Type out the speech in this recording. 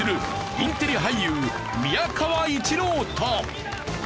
インテリ俳優宮川一朗太！